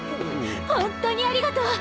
本当にありがとう！